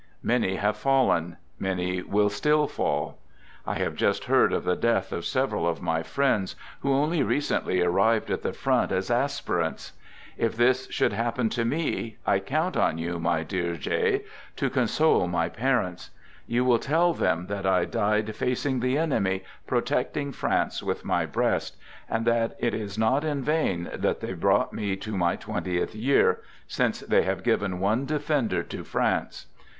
Many have fallen; many will still fall. I have just heard of the death of several of my friends who only recently arrived at the front as aspirants. If this should happen to me, I count on you, my dear J , to console my parents. You will tell them that I died facing the enemy, protecting France with my breast, and that it is not in vain that they brought me to my twentieth year, since they have given one defender to France.